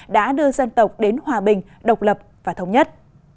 đã đưa dân tộc đến hòa bình độc lập và thống nhất